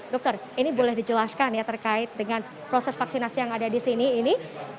dokter ini boleh dijelaskan ya terkait dengan proses vaksinasi yang ada di sini ini